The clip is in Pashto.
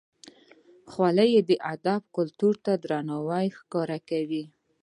خولۍ د ادب کلتور ته درناوی ښکاره کوي.